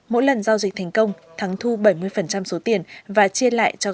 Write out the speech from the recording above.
mỗi lần giao dịch thành công thắng thu bảy mươi số tiền và chia lại cho gái bán